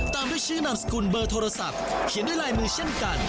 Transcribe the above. ตามด้วยชื่อนามสกุลเบอร์โทรศัพท์เขียนด้วยลายมือเช่นกัน